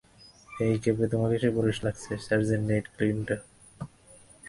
এই ক্যাপে তোমাকে সুপুরুষ লাগছে, সার্জেন্ট নেইট ক্লিনটফ।